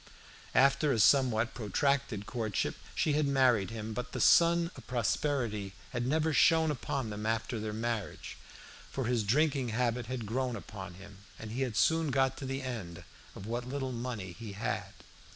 After a somewhat protracted courtship she had married him, but the sun of prosperity had never shone upon them after their marriage, for his drinking habit had grown upon him, and he had soon got to the end of what little money he had.